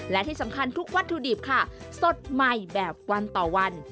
และที่สำคัญทุกวัตถุดิบค่ะสดใหม่แบบวันต่อวัน